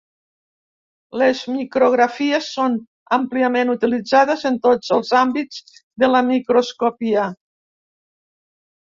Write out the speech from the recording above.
Les micrografies són àmpliament utilitzades en tots els àmbits de la microscòpia.